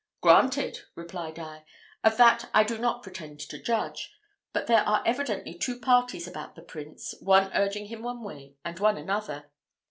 "Granted!" replied I. "Of that I do not pretend to judge; but there are evidently two parties about the prince, one urging him one way, and one another.